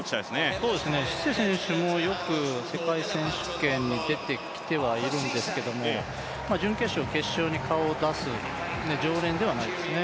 シセ選手もよく世界選手権には出てきているんですけれど準決勝、決勝に顔を出す常連ではないですね。